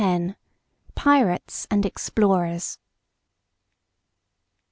—PIRATES AND EXPLORERS.